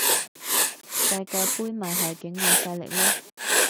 世界盃咪係境外勢力囉